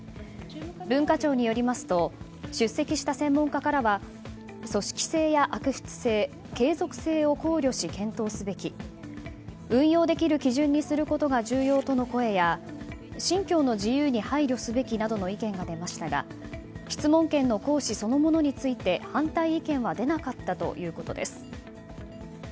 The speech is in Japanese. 文化庁によりますと出席した専門家からは組織性や悪質性継続性を考慮し検討すべき運用できる基準にすることが重要との声や信教の自由に配慮すべきなどの意見が出ましたが質問権の行使そのものについて反対意見は出なかったということです。